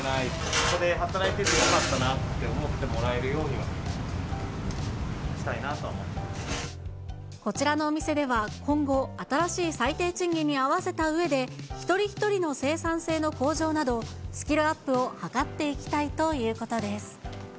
ここで働いてよかったなって思ってもらえるようにはしたいなとはこちらのお店では今後、新しい最低賃金に合わせたうえで、一人一人の生産性の向上など、スキルアップを図っていきたいということです。